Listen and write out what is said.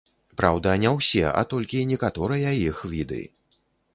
Праўда, не ўсе, а толькі некаторыя іх віды.